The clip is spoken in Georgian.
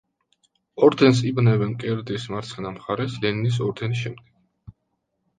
ორდენს იბნევენ მკერდის მარცხენა მხარეს, ლენინის ორდენის შემდეგ.